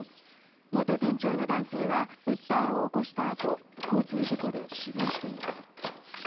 元店長の男性は訴えを起こしたあと交通事故で死亡しています。